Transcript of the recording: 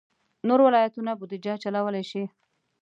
نور ولایتونه بودجه چلولای شي.